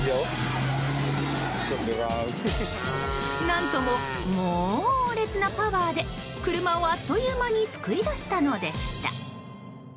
何ともモレツなパワーで車を、あっという間に救い出したのでした。